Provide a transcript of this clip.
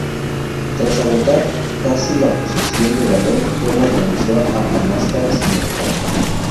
Tras agotar casi la posesión de balón, Thomas lanzó a canasta, sin anotar.